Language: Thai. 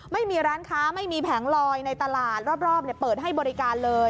ไม่มีร้านค้าไม่มีแผงลอยในตลาดรอบเปิดให้บริการเลย